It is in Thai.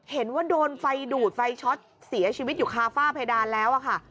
เห็นว่าโดนไฟดูดไฟช็อตเสียชีวิตอยู่คาฝ้าเพดานแล้วค่ะ